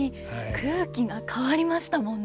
空気が変わりましたもんね。